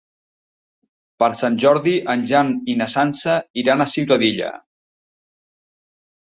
Per Sant Jordi en Jan i na Sança iran a Ciutadilla.